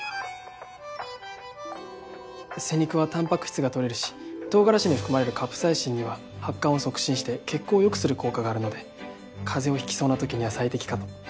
背肉はたんぱく質がとれるし唐辛子に含まれるカプサイシンには発汗を促進して血行を良くする効果があるので風邪を引きそうな時には最適かと。